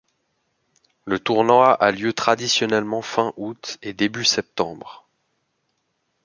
Le tournoi a lieu traditionnellement fin août et début septembre.